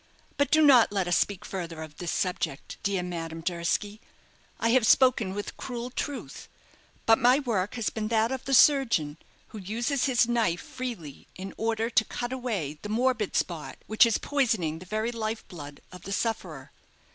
"But do not let us speak further of this subject, dear Madame Durski. I have spoken with cruel truth; but my work has been that of the surgeon, who uses his knife freely in order to cut away the morbid spot which is poisoning the very life blood of the sufferer.